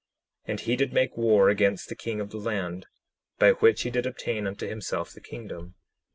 And he did make war against the king of the land, by which he did obtain unto himself the kingdom.